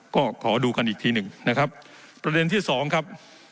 ก็ขอดูกันอีกทีหนึ่งนะครับประเด็นที่สองครับ